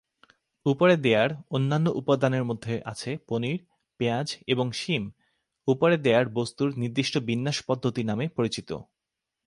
উপরে দেয়ার অন্যান্য উপাদানের মধ্যে আছে পনির, পেঁয়াজ এবং শিম; উপরে দেয়ার বস্তুর নির্দিষ্ট বিন্যাস "পদ্ধতি" নামে পরিচিত।